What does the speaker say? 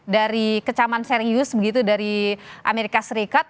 dari kecaman serius begitu dari amerika serikat